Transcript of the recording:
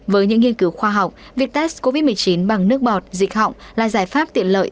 với những nghiên cứu khoa học vitas covid một mươi chín bằng nước bọt dịch họng là giải pháp tiện lợi